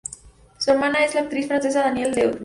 Su hermana es la actriz francesa Danielle Lebrun.